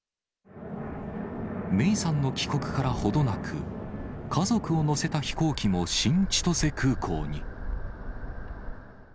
芽生さんの帰国から程なく、家族を乗せた飛行機も新千歳空港に。